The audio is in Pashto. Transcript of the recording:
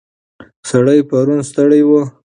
سړی پرون ستړی و.